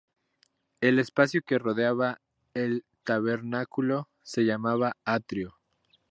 El espacio que rodeaba el tabernáculo se llamaba atrio.